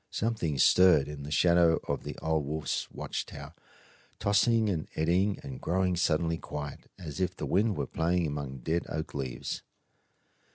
Something stirred in the shadow of the old wolf's watch tower, tossing and eddying and growing suddenly quiet, as if the wind were playing among dead oak leaves.